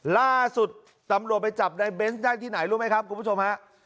ล่าสุดตำรวจไปจับในเบนส์ได้ที่ไหนรู้ไหมครับคุณผู้ชมฮะ